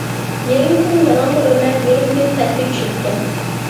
يېرىم كۈن داۋانغا ئۆرلەپ، يېرىم كۈن پەسكە چۈشىدىكەن.